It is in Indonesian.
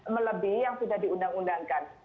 melebih yang sudah diundang undangkan